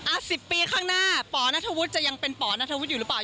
สิบปีข้างหน้าปนัทธวุฒิจะยังเป็นป่อนัทวุฒิอยู่หรือเปล่า